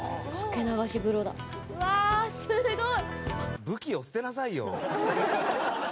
うわすごい！